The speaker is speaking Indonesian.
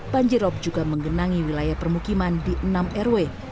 banjir rok juga menggenangi wilayah permukiman di enam rw